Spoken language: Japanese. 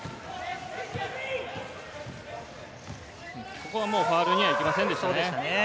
ここはもうファウルには行きませんでしたね。